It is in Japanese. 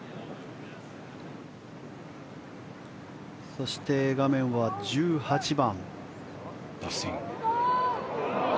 そして、画面は１８番。